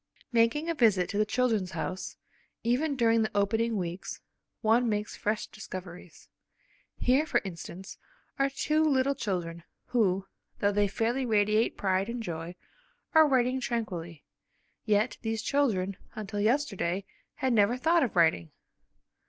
Making a visit to the "Children's House," even during the opening weeks, one makes fresh discoveries. Here, for instance, are two little children, who, though they fairly radiate pride and joy, are writing tranquilly. Yet, these children, until yesterday, had never thought of writing!